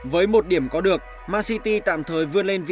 với một điểm có được man city tạm thời với man city